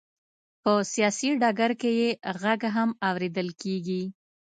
په سیاسي ډګر کې یې غږ هم اورېدل کېږي.